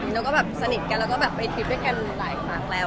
ดีแล้วสนิทกันก็ไปทริปด้วยกันหลายฟังแล้ว